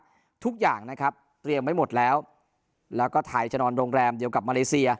ทุกอย่างนะครับเตรียมไว้หมดแล้วแล้วก็ไทยจะนอนโรงแรมเดียวกับมาเลเซีย